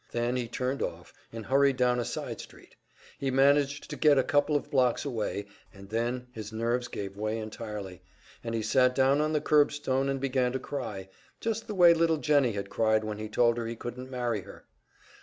Then he turned off and hurried down a side street. He managed to get a couple of blocks away, and then his nerves gave way entirely, and he sat down on the curbstone and began to cry just the way little Jennie had cried when he told her he couldn't marry her!